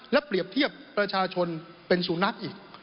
และเปรียบเทียบประชาชนเป็นสุนัขอีก